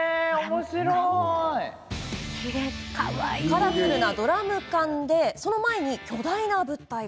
カラフルなドラム缶の前にある巨大な物体。